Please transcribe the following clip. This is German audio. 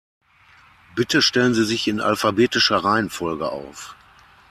Bitte stellen Sie sich in alphabetischer Reihenfolge auf.